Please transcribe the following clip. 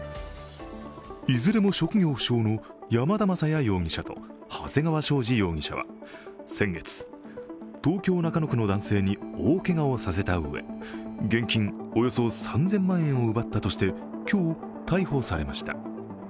いずれも職業不詳の山田雅也容疑者と長谷川将司容疑者は先月、東京・中野区の男性に大けがをさせたうえ現金およそ３０００万円を奪ったとして今日、逮捕されました。